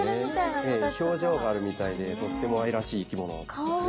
ええ表情があるみたいでとっても愛らしい生き物ですね。